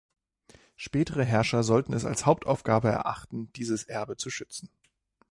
Spätere Herrscher sollten es als Hauptaufgabe erachten, dieses Erbe zu schützen.